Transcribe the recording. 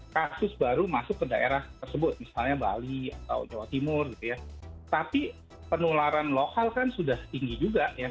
tapi penularan lokal kan sudah tinggi juga ya